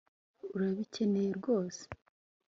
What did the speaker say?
Urabikeneye rwose